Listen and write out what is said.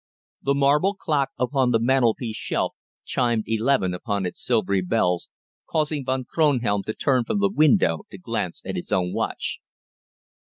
The marble clock upon the mantelpiece shelf chimed eleven upon its silvery bells, causing Von Kronhelm to turn from the window to glance at his own watch.